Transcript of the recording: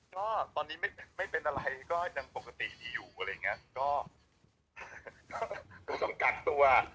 ก็ตอนนี้ไม่เป็นอะไรก็ยังปกติดีอยู่อะไรอย่างเงี้ยก็ต้องกักตัว